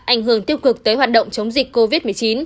ảnh hưởng tiêu cực tới hoạt động chống dịch covid một mươi chín